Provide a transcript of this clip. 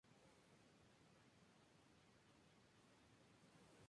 Habían sido advertidos en sueños por un ángel, que les marca el camino.